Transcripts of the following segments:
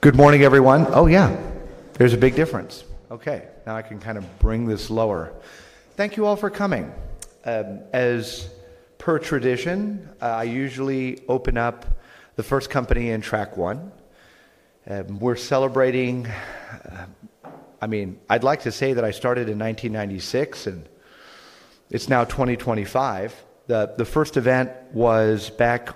Good morning, everyone. There's a big difference. Okay, now I can kind of bring this lower. Thank you all for coming. As per tradition, I usually open up the first company in Track 1. We're celebrating, I mean, I'd like to say that I started in 1996 and it's now 2025. The first event was back.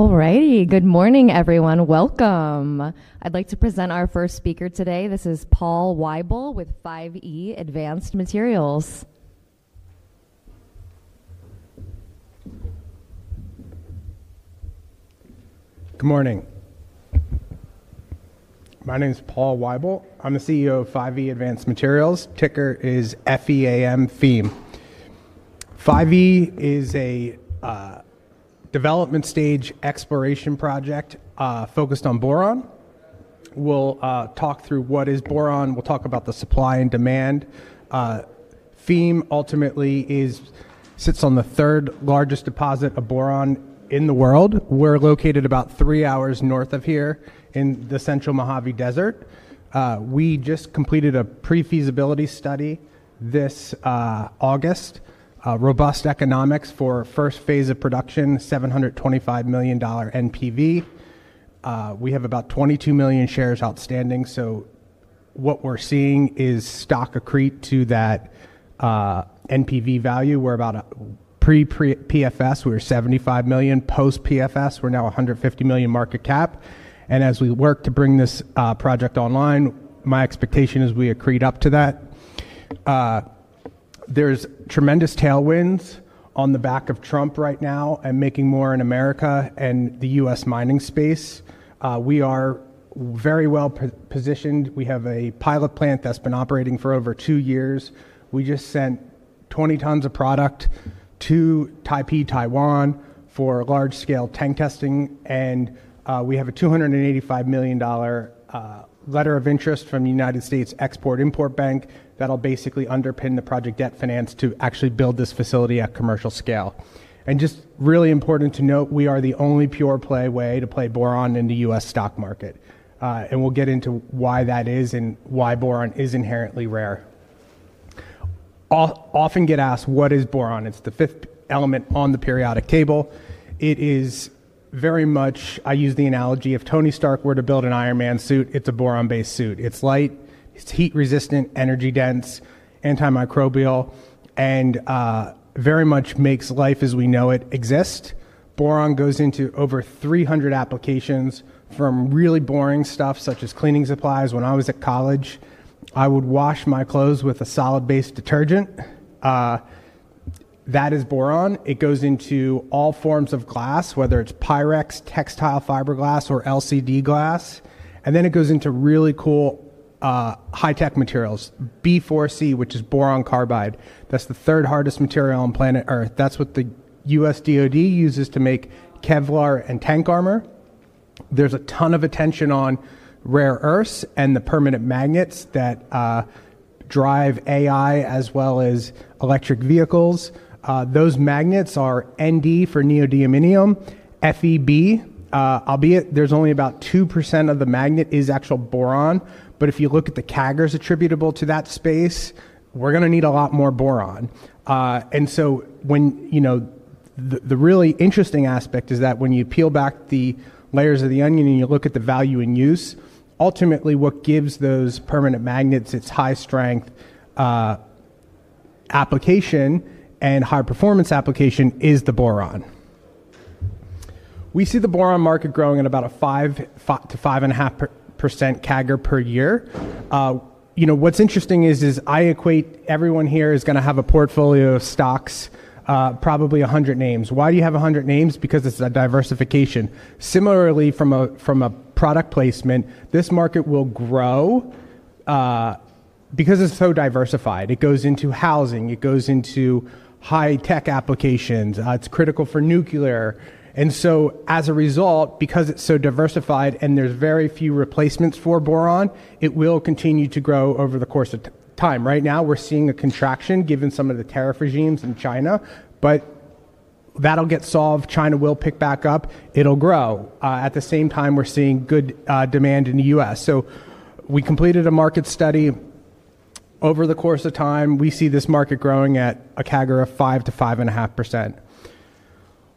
Alrighty, good morning everyone, welcome. I'd like to present our first speaker today. This is Paul Weibel with 5E Advanced Materials. Good morning. My name is Paul Weibel. I'm the CEO of 5E Advanced Materials. Ticker is F-E-A-M, FEAM. 5E is a development stage exploration project focused on boron. We'll talk through what is boron. We'll talk about the supply and demand. FEAM ultimately sits on the third largest deposit of boron in the world. We're located about three hours north of here in the central Mojave Desert. We just completed a pre-feasibility study this August. Robust economics for first phase of production, $725 million NPV. We have about 22 million shares outstanding, so what we're seeing is stock accrete to that NPV value. We're about pre-PFS, we were $75 million. Post-PFS, we're now $150 million market cap. As we work to bring this project online, my expectation is we accrete up to that. There's tremendous tailwinds on the back of Trump right now and making more in America and the U.S. mining space. We are very well positioned. We have a pilot plant that's been operating for over two years. We just sent 20 tons of product to Taipei, Taiwan, for large-scale tank testing, and we have a $285 million letter of interest from the U.S. Export-Import Bank that'll basically underpin the project debt finance to actually build this facility at commercial scale. Just really important to note, we are the only pure play way to play boron in the U.S. stock market. We'll get into why that is and why boron is inherently rare. I often get asked, what is boron? It's the fifth element on the periodic table. It is very much, I use the analogy if Tony Stark were to build an Iron Man suit, it's a boron-based suit. It's light, it's heat-resistant, energy-dense, antimicrobial, and very much makes life as we know it exist. Boron goes into over 300 applications from really boring stuff such as cleaning supplies. When I was at college, I would wash my clothes with a solid-based detergent. That is boron. It goes into all forms of glass, whether it's Pyrex, textile fiberglass, or LCD glass. It goes into really cool high-tech materials, B4C, which is boron carbide. That's the third hardest material on planet Earth. That's what the U.S. DOD uses to make Kevlar and tank armor. There's a ton of attention on rare earths and the permanent magnets that drive AI as well as electric vehicles. Those magnets are Nd for neodymium. FeB, albeit there's only about 2% of the magnet is actual boron, but if you look at the CAGRs attributable to that space, we're going to need a lot more boron. The really interesting aspect is that when you peel back the layers of the onion and you look at the value in use, ultimately what gives those permanent magnets its high-strength application and high-performance application is the boron. We see the boron market growing at about a 5 to 5.5% CAGR per year. What's interesting is I equate everyone here is going to have a portfolio of stocks, probably 100 names. Why do you have 100 names? Because it's a diversification. Similarly, from a product placement, this market will grow because it's so diversified. It goes into housing, it goes into high-tech applications, it's critical for nuclear. As a result, because it's so diversified and there's very few replacements for boron, it will continue to grow over the course of time. Right now we're seeing a contraction given some of the tariff regimes in China, but that'll get solved. China will pick back up, it'll grow. At the same time, we're seeing good demand in the U.S. We completed a market study over the course of time. We see this market growing at a CAGR of 5 to 5.5%.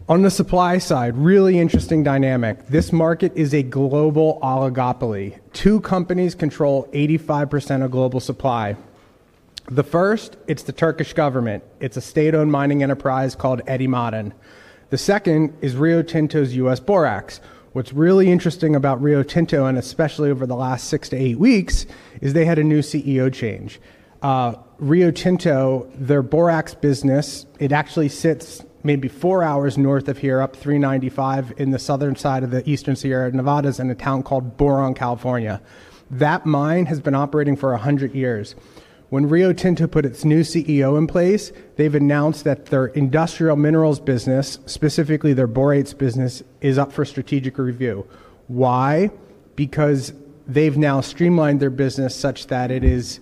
On the supply side, really interesting dynamic. This market is a global oligopoly. Two companies control 85% of global supply. The first, it's the Turkish government. It's a state-owned mining enterprise called Eti Maden. The second is Rio Tinto's US Borax. What's really interesting about Rio Tinto, and especially over the last six to eight weeks, is they had a new CEO change. Rio Tinto, their Borax business, it actually sits maybe four hours north of here, up 395 in the southern side of the eastern Sierra Nevadas in a town called Boron, California. That mine has been operating for 100 years. When Rio Tinto put its new CEO in place, they've announced that their industrial minerals business, specifically their borates business, is up for strategic review. Why? Because they've now streamlined their business such that it is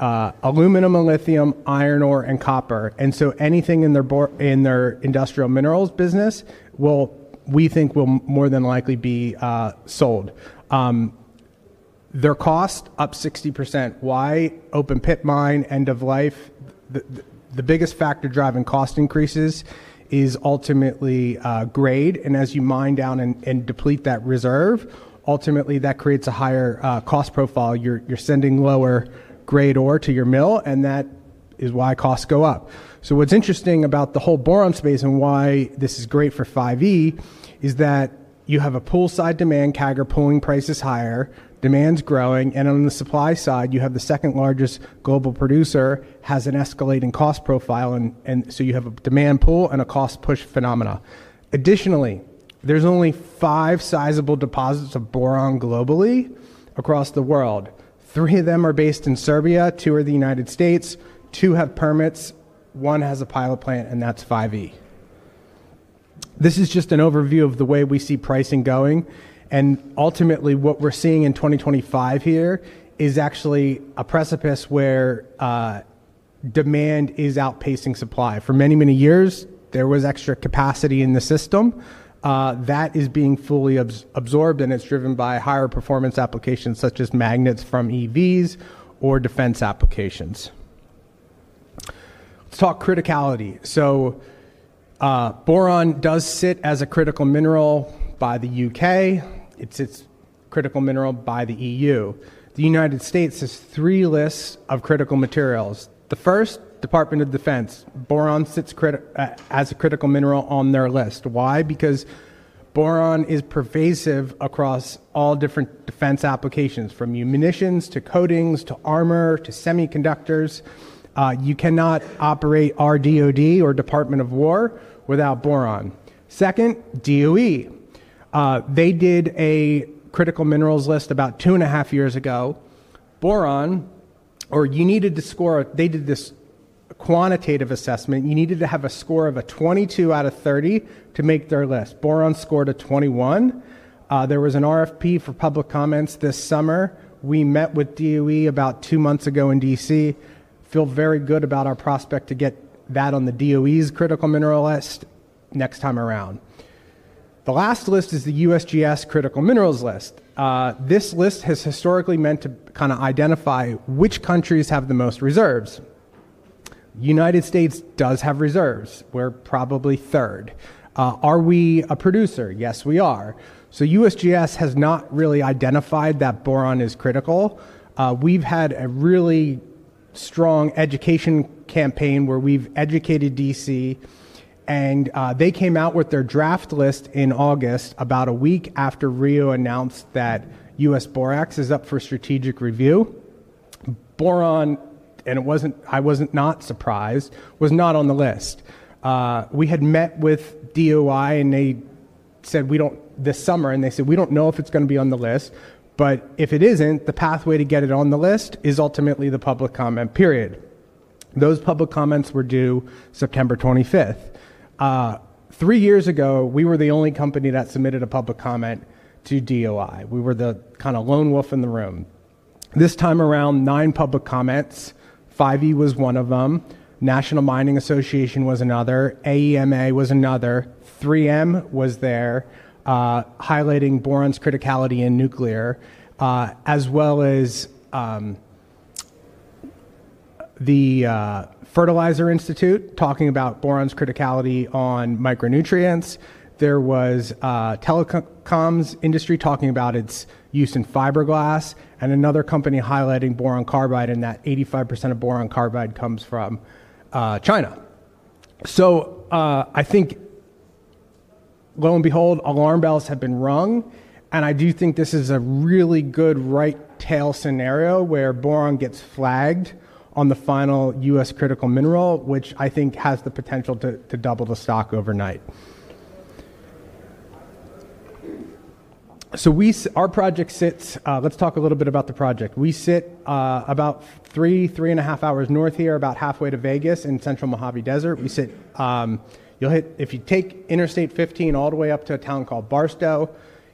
aluminum and lithium, iron, ore, and copper. Anything in their industrial minerals business will, we think, will more than likely be sold. Their cost is up 60%. Why? Open pit mine, end of life. The biggest factor driving cost increases is ultimately grade. As you mine down and deplete that reserve, ultimately that creates a higher cost profile. You're sending lower grade ore to your mill, and that is why costs go up. What's interesting about the whole boron space and why this is great for 5E is that you have a poolside demand, CAGR pulling prices higher, demand's growing, and on the supply side, you have the second largest global producer has an escalating cost profile, and so you have a demand pool and a cost push phenomenon. Additionally, there's only five sizable deposits of boron globally across the world. Three of them are based in Serbia, two are the United States, two have permits, one has a pilot plant, and that's 5E. This is just an overview of the way we see pricing going. Ultimately, what we're seeing in 2025 here is actually a precipice where demand is outpacing supply. For many, many years, there was extra capacity in the system. That is being fully absorbed, and it's driven by higher performance applications such as magnets from EVs or defense applications. Let's talk criticality. Boron does sit as a critical mineral by the UK. It sits as a critical mineral by the EU. The United States has three lists of critical materials. The first, Department of Defense. Boron sits as a critical mineral on their list. Why? Because boron is pervasive across all different defense applications, from munitions to coatings to armor to semiconductors. You cannot operate RDOD or Department of War without boron. Second, DOE. They did a critical minerals list about two and a half years ago. Boron, or you needed to score, they did this quantitative assessment. You needed to have a score of a 22 out of 30 to make their list. Boron scored a 21. There was an RFP for public comments this summer. We met with DOE about two months ago in DC. Feel very good about our prospect to get that on the DOE's critical mineral list next time around. The last list is the USGS critical minerals list. This list has historically meant to kind of identify which countries have the most reserves. The United States does have reserves. We're probably third. Are we a producer? Yes, we are. USGS has not really identified that boron is critical. We've had a really strong education campaign where we've educated DC, and they came out with their draft list in August, about a week after Rio Tinto announced that US Borax is up for strategic review. Boron, and I was not surprised, was not on the list. We had met with DOI, and they said this summer, we don't know if it's going to be on the list, but if it isn't, the pathway to get it on the list is ultimately the public comment period. Those public comments were due September 25th. Three years ago, we were the only company that submitted a public comment to DOI. We were the kind of lone wolf in the room. This time around, nine public comments. 5E was one of them. National Mining Association was another. AEMA was another. 3M was there, highlighting boron's criticality in nuclear, as well as the Fertilizer Institute talking about boron's criticality on micronutrients. There was Telecoms Industry talking about its use in fiberglass, and another company highlighting boron carbide, and that 85% of boron carbide comes from China. I think, lo and behold, alarm bells have been rung, and I do think this is a really good right-tail scenario where boron gets flagged on the final U.S. critical mineral, which I think has the potential to double the stock overnight. Our project sits, let's talk a little bit about the project. We sit about three, three and a half hours north here, about halfway to Vegas in central Mojave Desert. If you take Interstate 15 all the way up to a town called Barstow,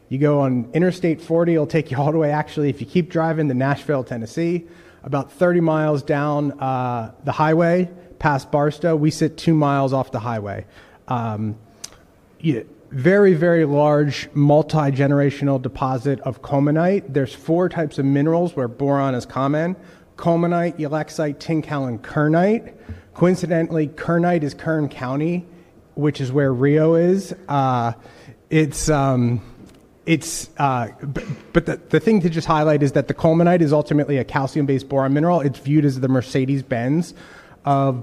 you go on Interstate 40, it'll take you all the way, actually, if you keep driving to Nashville, Tennessee, about 30 miles down the highway past Barstow, we sit two miles off the highway. Very, very large multi-generational deposit of colemanite. There are four types of minerals where boron is common: colemanite, yellow oxide, tincal, and kernite. Coincidentally, kernite is Kern County, which is where Rio is. The thing to just highlight is that the colemanite is ultimately a calcium-based boron mineral. It's viewed as the Mercedes-Benz of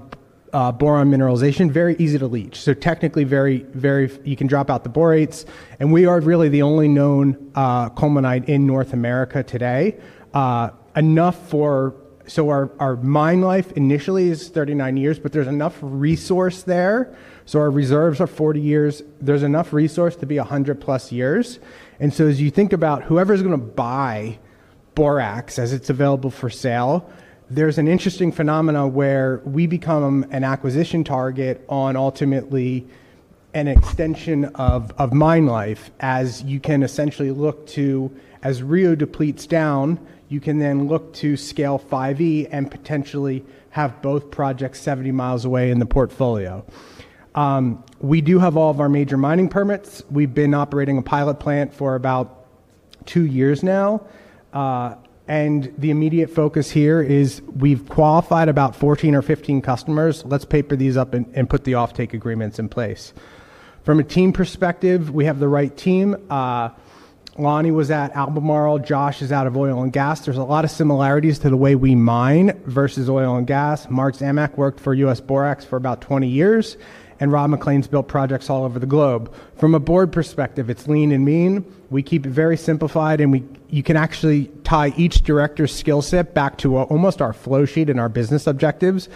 boron mineralization. Very easy to leach. Technically, you can drop out the borates, and we are really the only known colemanite in North America today. Our mine life initially is 39 years, but there's enough resource there, so our reserves are 40 years. There's enough resource to be 100 plus years. As you think about whoever's going to buy US Borax as it's available for sale, there's an interesting phenomenon where we become an acquisition target on ultimately an extension of mine life, as you can essentially look to, as Rio Tinto depletes down, you can then look to scale 5E Advanced Materials and potentially have both projects 70 miles away in the portfolio. We do have all of our major mining permits. We've been operating a pilot plant for about two years now. The immediate focus here is we've qualified about 14 or 15 customers. Let's paper these up and put the off-take agreements in place. From a team perspective, we have the right team. Lonnie was at Albemarle. Josh is out of oil and gas. There's a lot of similarities to the way we mine versus oil and gas. Mark Zamek worked for US Borax for about 20 years, and Rod MacLean's built projects all over the globe. From a board perspective, it's lean and mean. We keep it very simplified, and you can actually tie each director's skill set back to almost our flow sheet and our business objectives.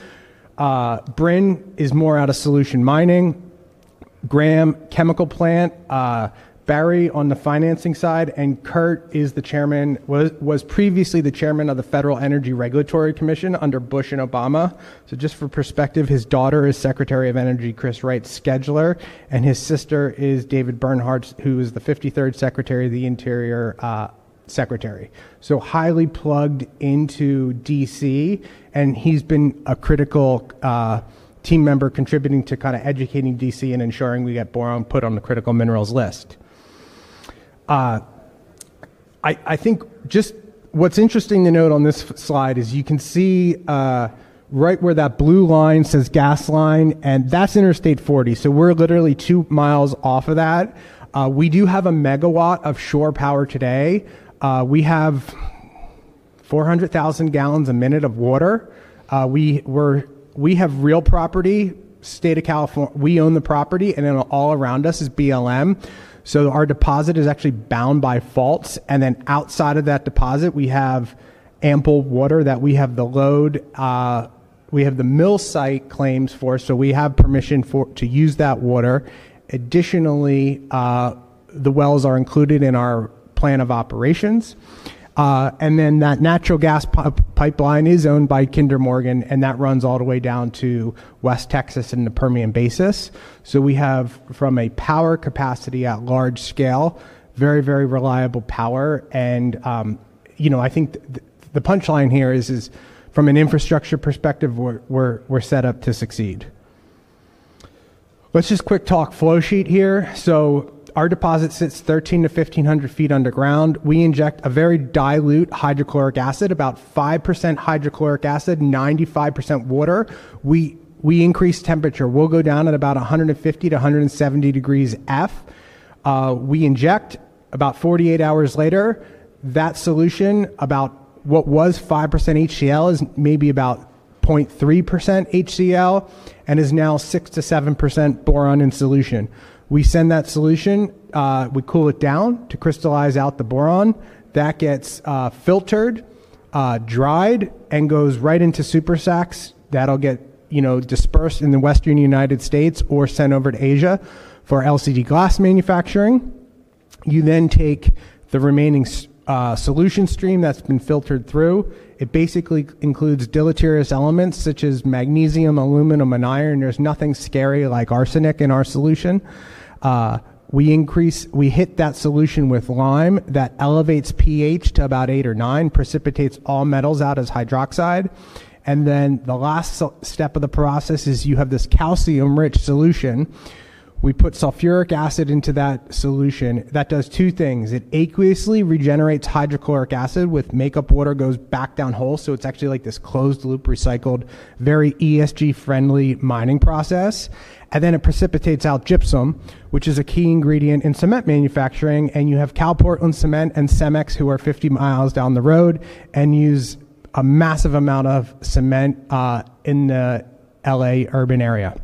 Bryn is more out of solution mining. Graham, chemical plant. Barry on the financing side, and Kurt was previously the Chairman of the Federal Energy Regulatory Commission under Bush and Obama. For perspective, his daughter is Secretary of Energy, Chris Wright, Scheduler, and his sister is David Bernhardt, who is the 53rd Secretary of the Interior. Highly plugged into D.C., and he's been a critical team member contributing to kind of educating D.C. and ensuring we get boron put on the critical minerals list. I think what's interesting to note on this slide is you can see right where that blue line says gas line, and that's Interstate 40. We're literally two miles off of that. We do have a megawatt of shore power today. We have 400,000 gallons a minute of water. We have real property, State of California. We own the property, and then all around us is BLM. Our deposit is actually bound by faults, and then outside of that deposit, we have ample water that we have the load, we have the mill site claims for, so we have permission to use that water. Additionally, the wells are included in our plan of operations. That natural gas pipeline is owned by Kinder Morgan, and that runs all the way down to West Texas and the Permian Basin. We have, from a power capacity at large scale, very, very reliable power, and I think the punchline here is, from an infrastructure perspective, we're set up to succeed. Let's just quick talk flow sheet here. Our deposit sits 1,300 to 1,500 feet underground. We inject a very dilute hydrochloric acid, about 5% hydrochloric acid, 95% water. We increase temperature. We'll go down at about 150 to 170 degrees F. We inject about 48 hours later. That solution, about what was 5% HCl, is maybe about 0.3% HCl and is now 6 to 7% boron in solution. We send that solution. We cool it down to crystallize out the boron. That gets filtered, dried, and goes right into supersacs. That'll get dispersed in the western United States or sent over to Asia for LCD glass manufacturing. You then take the remaining solution stream that's been filtered through. It basically includes deleterious elements such as magnesium, aluminum, and iron, and there's nothing scary like arsenic in our solution. We hit that solution with lime that elevates pH to about eight or nine, precipitates all metals out as hydroxide, and then the last step of the process is you have this calcium-rich solution. We put sulfuric acid into that solution. That does two things. It aqueously regenerates hydrochloric acid with makeup water, goes back down hole, so it's actually like this closed loop recycled, very ESG-friendly mining process. It precipitates out gypsum, which is a key ingredient in cement manufacturing, and you have CalPortland Cement and Cemex, who are 50 miles down the road and use a massive amount of cement in the LA urban area.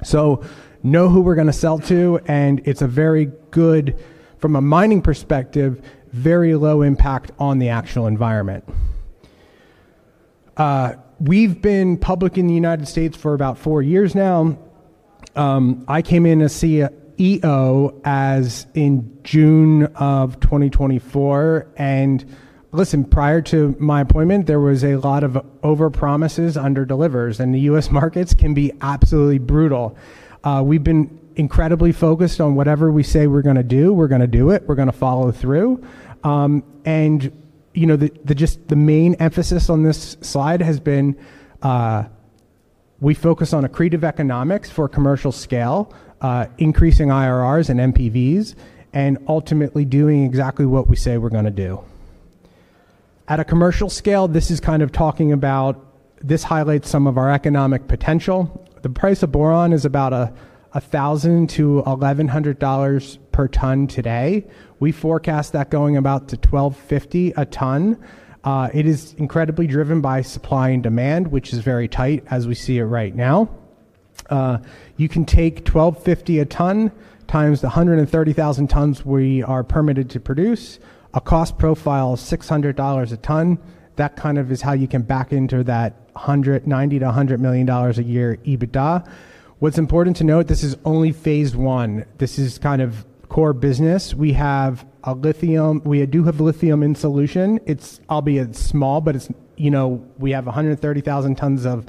We know who we're going to sell to, and it's a very good, from a mining perspective, very low impact on the actual environment. We've been public in the United States for about four years now. I came in as CEO in June of 2024, and prior to my appointment, there was a lot of over-promises under-delivers, and the U.S. markets can be absolutely brutal. We've been incredibly focused on whatever we say we're going to do, we're going to do it, we're going to follow through. The main emphasis on this slide has been we focus on accretive economics for commercial scale, increasing IRRs and NPVs, and ultimately doing exactly what we say we're going to do. At a commercial scale, this is kind of talking about, this highlights some of our economic potential. The price of boron is about $1,000 to $1,100 per ton today. We forecast that going about to $1,250 a ton. It is incredibly driven by supply and demand, which is very tight as we see it right now. You can take $1,250 a ton times the 130,000 tons we are permitted to produce. A cost profile is $600 a ton. That kind of is how you can back into that $190 to $100 million a year EBITDA. What's important to note, this is only phase one. This is kind of core business. We have a lithium, we do have lithium in solution. It's albeit small, but it's, you know, we have 130,000 tons of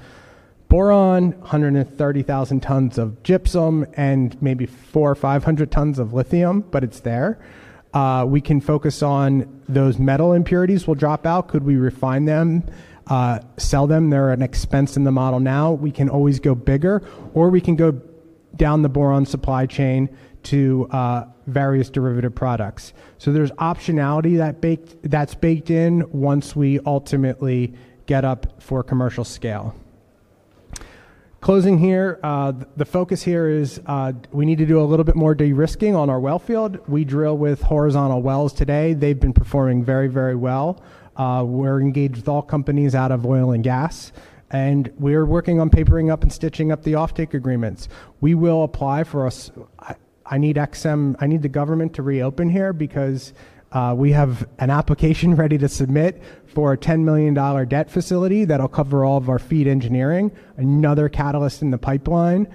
boron, 130,000 tons of gypsum, and maybe 400 or 500 tons of lithium, but it's there. We can focus on those metal impurities we'll drop out. Could we refine them, sell them? They're an expense in the model now. We can always go bigger, or we can go down the boron supply chain to various derivative products. There's optionality that's baked in once we ultimately get up for commercial scale. Closing here, the focus here is we need to do a little bit more de-risking on our well field. We drill with horizontal wells today. They've been performing very, very well. We're engaged with all companies out of oil and gas, and we're working on papering up and stitching up the off-take agreements. We will apply for U.S. I need EXIM, I need the government to reopen here because we have an application ready to submit for a $10 million debt facility that'll cover all of our FEED engineering, another catalyst in the pipeline.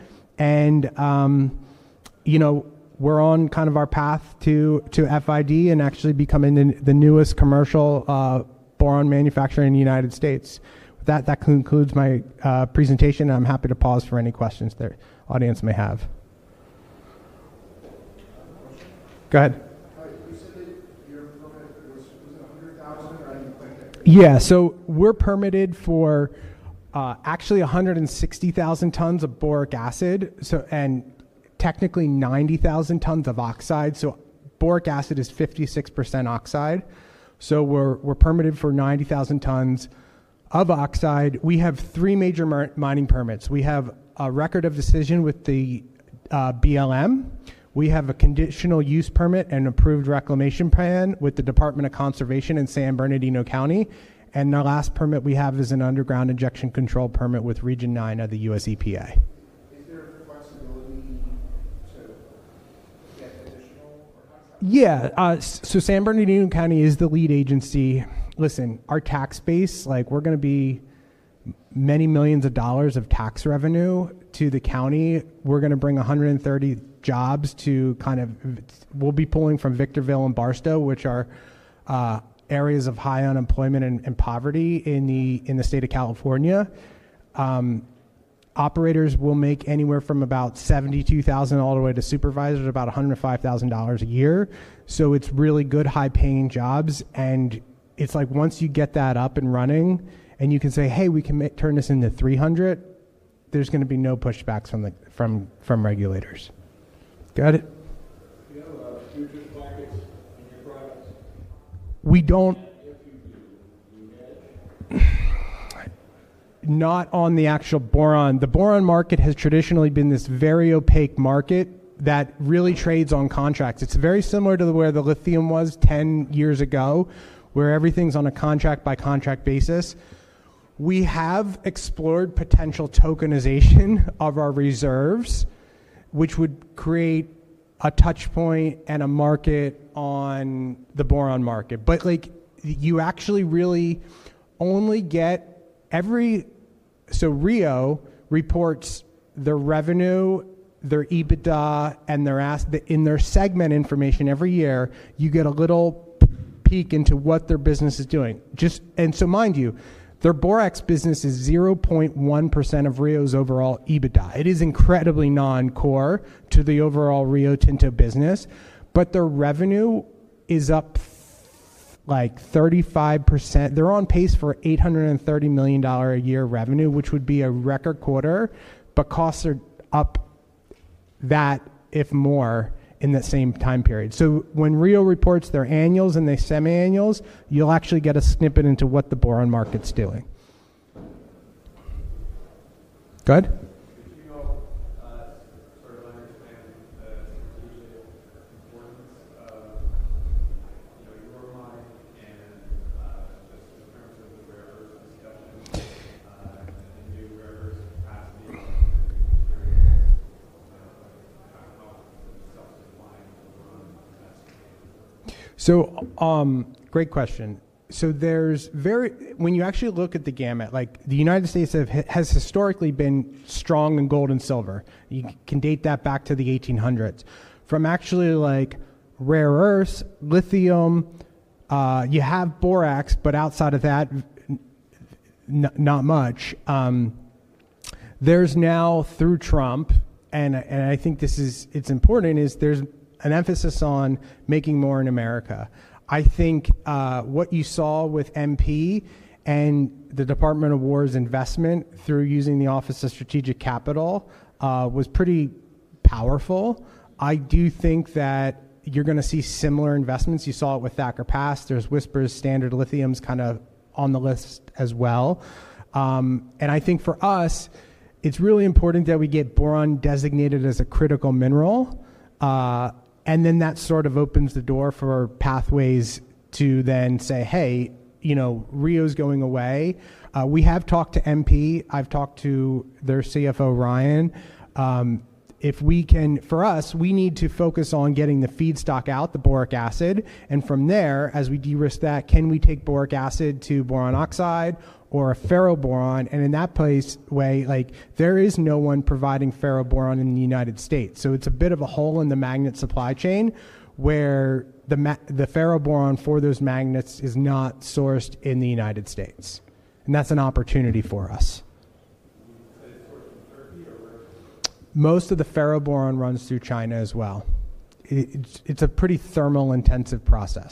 You know, we're on kind of our path to FID and actually becoming the newest commercial boron manufacturer in the United States. That concludes my presentation, and I'm happy to pause for any questions the audience may have. Go ahead. You said that your permit was, was it $100,000 or I didn't quite get it? Yeah, so we're permitted for actually 160,000 tons of boric acid, and technically 90,000 tons of boron oxide. So boric acid is 56% oxide. So we're permitted for 90,000 tons of oxide. We have three major mining permits. We have a record of decision with the BLM. We have a conditional use permit and approved reclamation plan with the Department of Conservation in San Bernardino County. The last permit we have is an underground injection control permit with Region 9 of the U.S. EPA. Is there a possibility to get additional or contract? Yeah, San Bernardino County is the lead agency. Our tax base, like we're going to be many millions of dollars of tax revenue to the county. We're going to bring 130 jobs to kind of, we'll be pulling from Victorville and Barstow, which are areas of high unemployment and poverty in the state of California. Operators will make anywhere from about $72,000 all the way to supervisors about $105,000 a year. It's really good high-paying jobs. Once you get that up and running and you can say, "Hey, we can turn this into 300," there's going to be no pushback from regulators. Go ahead. Do you have a future package in your projects? We don't. If you do, do you get it? Not on the actual boron. The boron market has traditionally been this very opaque market that really trades on contracts. It's very similar to where the lithium was 10 years ago, where everything's on a contract-by-contract basis. We have explored potential tokenization of our reserves, which would create a touchpoint and a market on the boron market. You actually really only get every, so Rio Tinto reports their revenue, their EBITDA, and their asset in their segment information every year. You get a little peek into what their business is doing. Mind you, their US Borax business is 0.1% of Rio Tinto's overall EBITDA. It is incredibly non-core to the overall Rio Tinto business. Their revenue is up like 35%. They're on pace for $830 million a year revenue, which would be a record quarter, but costs are up more in that same time period. When Rio Tinto reports their annuals and their semi-annuals, you'll actually get a snippet into what the boron market's doing. Go ahead. Could you go sort of understand the strategic importance of your mine, just in terms of the rare earths discussion and the new rare earths capacity in the region here? How does it help self-supplying the boron investors? Great question. There’s very, when you actually look at the gamut, like the United States has historically been strong in gold and silver. You can date that back to the 1800s. From actually like rare earths, lithium, you have US Borax, but outside of that, not much. There’s now, through Trump, and I think this is, it’s important, is there’s an emphasis on making more in America. I think what you saw with MP and the Department of War’s investment through using the Office of Strategic Capital was pretty powerful. I do think that you’re going to see similar investments. You saw it with Thacker Pass. There’s whispers, Standard Lithium’s kind of on the list as well. I think for us, it’s really important that we get boron designated as a critical mineral. That sort of opens the door for pathways to then say, "Hey, you know, Rio’s going away." We have talked to MP. I’ve talked to their CFO, Ryan. If we can, for us, we need to focus on getting the feedstock out, the boric acid. From there, as we de-risk that, can we take boric acid to boron oxide or a ferroboron? In that way, like there is no one providing ferroboron in the United States. It’s a bit of a hole in the magnet supply chain where the ferroboron for those magnets is not sourced in the United States. That’s an opportunity for us. Is it sourced from Turkey or where is it sourced? Most of the ferroboron runs through China as well. It's a pretty thermal-intensive process.